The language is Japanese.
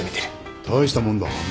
大したもんだ。